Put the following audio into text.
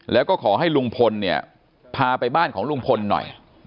แล้วก็ขอให้ลุงพลเนี่ยพาไปบ้านของลุงพลหน่อย